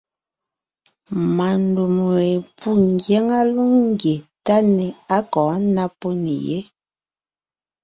Má ndûm we pû ngyáŋa lóŋ ńgie táne á kɔ̌ ná pó nè yé.